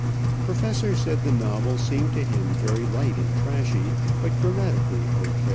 Professor said the novel seemed to him very light and trashy, but grammatically O.